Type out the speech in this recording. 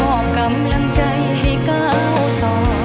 อบกำลังใจให้ก้าวต่อ